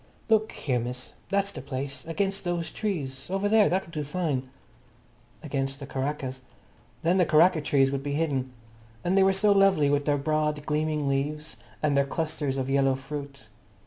"Look here, miss, that's the place. Against those trees. Over there. That'll do fine." Against the karakas. Then the karaka trees would be hidden. And they were so lovely, with their broad, gleaming leaves, and their clusters of yellow fruit.